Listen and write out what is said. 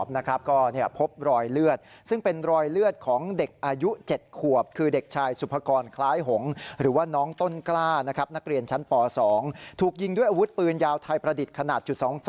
นักเรียนชั้นป๒ถูกยิงด้วยอาวุธปืนยาวไทยประดิษฐ์ขนาด๒๒